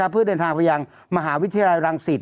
เพื่อเดินทางไปยังมหาวิทยาลัยรังสิต